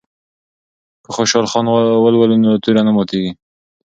که خوشحال خان ولولو نو توره نه ماتیږي.